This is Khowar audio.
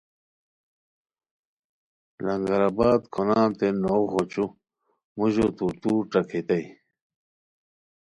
لنگر آباد کھونانتے نوغ غوچو موژو تُورتُور ݯاکیتائے